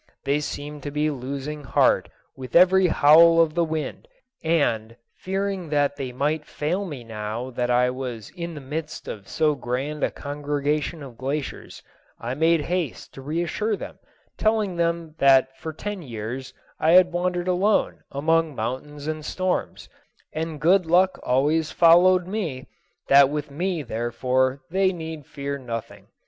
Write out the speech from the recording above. They seemed to be losing heart with every howl of the wind, and, fearing that they might fail me now that I was in the midst of so grand a congregation of glaciers, I made haste to reassure them, telling them that for ten years I had wandered alone among mountains and storms, and good luck always followed me; that with me, therefore, they need fear nothing.